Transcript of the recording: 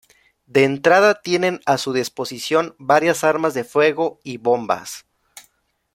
De entrada, tienen a su disposición varias armas de fuego y bombas.